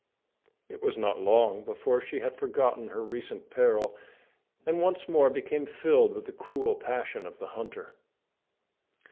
It was not long before she had forgotten her recent peril, and once more became filled with the cruel passion of the hunter.